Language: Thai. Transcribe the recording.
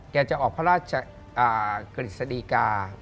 จะออกพระราชกฤษฎีกา